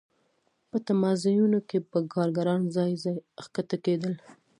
په تمځایونو کې به کارګران ځای ځای ښکته کېدل